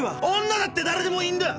女だってだれでもいいんだ！